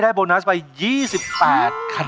ยังเพราะความสำคัญ